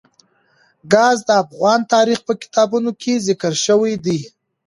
ګاز د افغان تاریخ په کتابونو کې ذکر شوی دي.